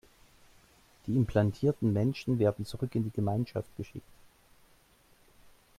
Die implantierten Menschen werden zurück in die Gemeinschaft geschickt.